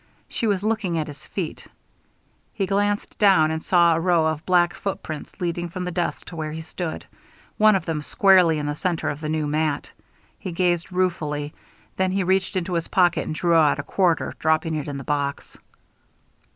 She was looking at his feet. He glanced down and saw a row of black footprints leading from the door to where he stood, one of them squarely in the centre of the new mat. He gazed ruefully, then he reached into his pocket and drew out a quarter, dropping it in the box.